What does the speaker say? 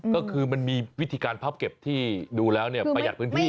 ก็คือมันมีวิธีการพับเก็บที่ดูแล้วประหยัดพื้นที่